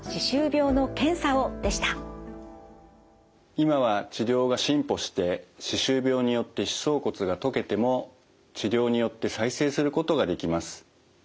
今は治療が進歩して歯周病によって歯槽骨が溶けても治療によって再生することができます。